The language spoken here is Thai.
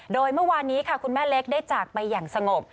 โดยเมื่อวานนี้ค่ะคุณแม่เล็กได้จากไปอย่างสงบ